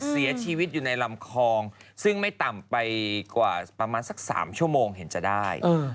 เสียชีวิตอยู่ในลำคลองซึ่งไม่ต่ำไปกว่าประมาณสัก๓ชั่วโมงเห็นจะได้